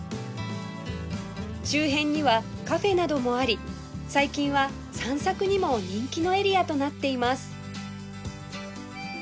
周辺にはカフェなどもあり最近は散策にも人気のエリアとなっています